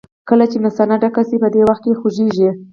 کله چې مثانه ډکه شي په دې وخت کې خوږېږي.